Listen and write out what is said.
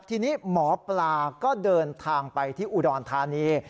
ทีนี้หมอปลาก็เดินทางไปที่อุดรธานี